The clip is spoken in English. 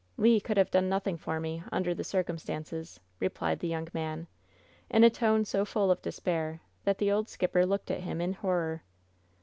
"Le could have done nothing for me, under the cir cumstances!" replied the young man, in a tone so full of despair that the old skipper looked at him in horror.